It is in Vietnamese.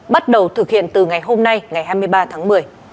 bắt đầu thực hiện từ ngày hôm nay ngày hai mươi ba tháng một mươi